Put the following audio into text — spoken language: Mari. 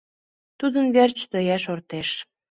Тудын верч тоя шортеш.